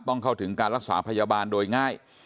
ต้องเข้าถึงการรักษาพยาบาลโดยง่าย